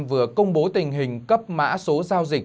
vừa công bố tình hình cấp mã số giao dịch